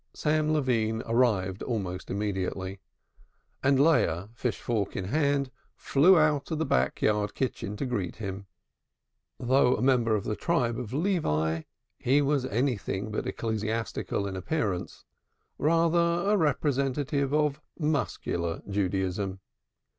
Sam Levine arrived almost immediately, and Leah, fishfork in hand, flew out of the back yard kitchen to greet him. Though a member of the tribe of Levi, he was anything but ecclesiastical in appearance, rather a representative of muscular Judaism.